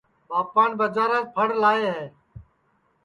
ٻاپان ٻجاراس پھڑ لائے ہے